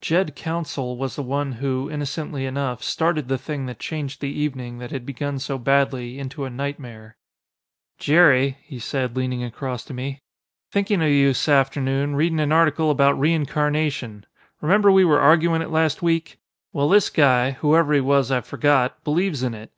Jed Counsell was the one who, innocently enough, started the thing that changed the evening, that had begun so badly, into a nightmare. "Jerry," he said, leaning across to me, "thinkin' of you s'afternoon. Readin' an article about reincarnation. Remember we were arguin' it last week? Well, this guy, whoever he was I've forgot, believes in it.